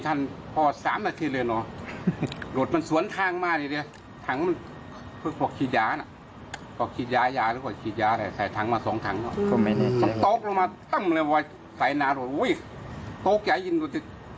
ตอนแรกคิดว่าเขาจะลงมาดู